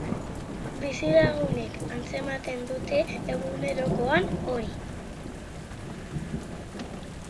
Bizilagunek antzematen dute egunerokoan hori.